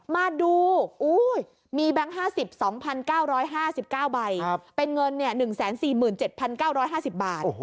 มาดูมีแบงค์๕๐๒๙๕๙ใบเป็นเงิน๑๔๗๙๕๐บาท